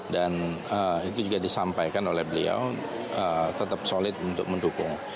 dan itu juga disampaikan oleh beliau tetap solid untuk mendukung